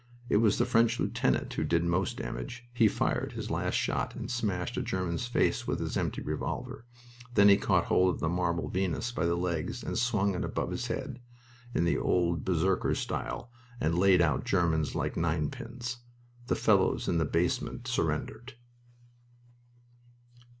It was the French lieutenant who did most damage. He fired his last shot and smashed a German's face with his empty revolver. Then he caught hold of the marble Venus by the legs and swung it above his head, in the old Berserker style, and laid out Germans like ninepins... The fellows in the basement surrendered."